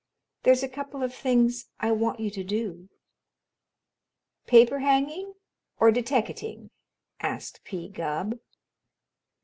There's a couple of things I want you to do." "Paper hanging or deteckating?" asked P. Gubb.